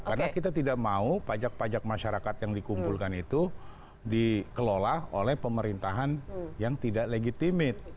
karena kita tidak mau pajak pajak masyarakat yang dikumpulkan itu dikelola oleh pemerintahan yang tidak legitimit